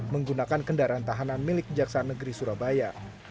menggunakan kendaraan tahanan milik kejaksaan negeri surabaya